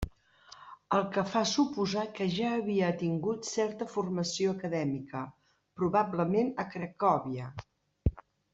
El que fa suposar que ja havia tingut certa formació acadèmica, probablement a Cracòvia.